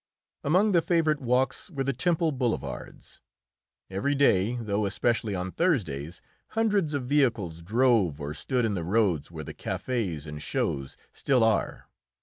Among the favourite walks were the Temple boulevards. Every day, though especially on Thursdays, hundreds of vehicles drove or stood in the roads where the cafés and shows still are.